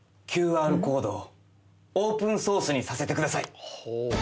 ＱＲコードをオープンソースにさせてください。